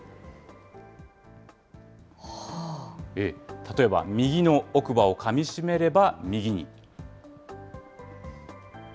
例えば右の奥歯をかみしめれば右に。